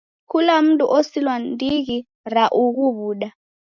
Kula mndu osilwa ni ndighi ra ughu w'uda.